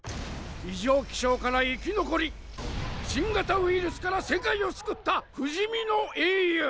異常気象から生き残り新型ウイルスから世界を救った不死身の英雄！